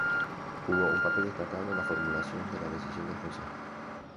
Jugó un papel destacado en la formulación de la decisión del consejo.